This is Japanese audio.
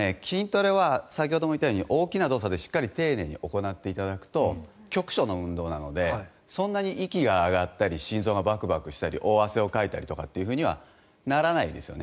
さっきも言ったように筋トレは大きな動作でしっかり丁寧に行っていただくと局所の運動なのでそんなに息が上がったり心臓がバクバクしたり大汗かいたりはならないですよね。